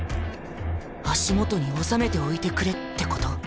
足元に収めておいてくれってこと？